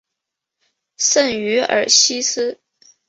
圣于尔西斯。